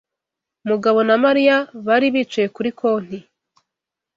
Mugabo na Mariya bari bicaye kuri konti.